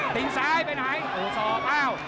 ติ้งซ้ายไปไหนส่อง